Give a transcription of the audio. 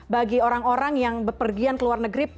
bagi orang orang yang berpergian ke luar negeri